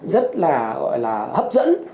rất là gọi là hấp dẫn